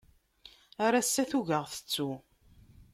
Ar ass-a tugi ad aɣ-tettu.